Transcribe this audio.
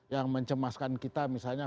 yang mencemaskan kita misalnya